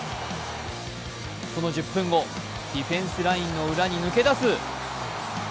その１０分後、ディフェンスラインの裏に抜け出す。